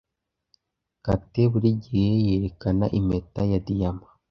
Kate buri gihe yerekana impeta ya diyama.